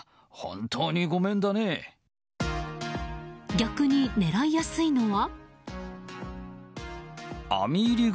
逆に狙いやすいのは？